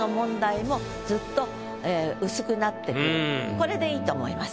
これこれで良いと思います。